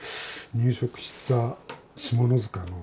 入植した下野塚の。